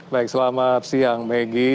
baik selamat siang maggie